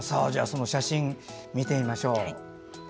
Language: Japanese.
その写真を見てみましょう。